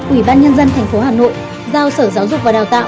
ủy ban nhân dân tp hà nội giao sở giáo dục và đào tạo